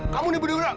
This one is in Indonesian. kamu nih budur